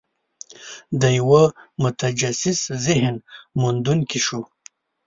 د یوه متجسس ذهن موندونکي شو.